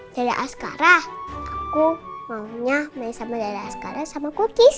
dada askara aku maunya main sama dada askara sama kukis